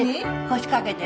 腰掛けてね。